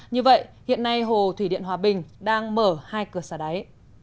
như vậy hiện nay hồ thủy điện hòa bình đang mở hai cửa xả đáy